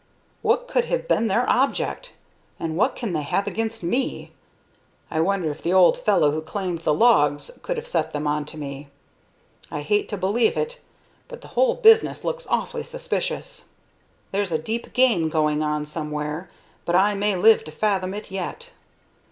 What could have been their object, and what can they have against me? I wonder if the old fellow who claimed the logs could have set them on to me? I hate to believe it; but the whole business looks awfully suspicious. "There's a deep game going on somewhere, but I may live to fathom it yet.